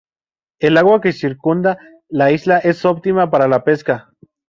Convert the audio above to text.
El agua que circunda la isla es óptima para la pesca.